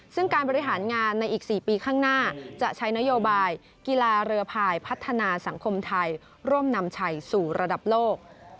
ซึ่งการบริหารงานในอีก๔ปีข้างหน้าจะใช้นโยบายกีฬาเรือพายพัฒนาสังคมไทยร่วมนำชัยสู่ระดับโลก